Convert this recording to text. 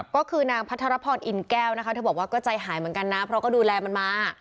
ก็คือนางพัทรพรอินแก้วนะคะเธอบอกว่าก็ใจหายเหมือนกันนะเพราะก็ดูแลมันมา